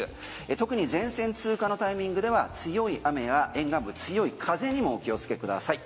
特に前線通過のタイミングでは強い雨や沿岸部、強い風にもお気をつけください。